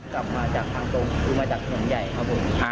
กลับมาจากทางตรงคือมาจากสวนใหญ่ครับผม